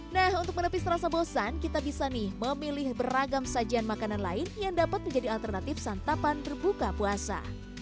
nah untuk menepis rasa bosan kita bisa nih memilih beragam sajian makanan lain yang dapat menjadi alternatif santapan berbuka puasa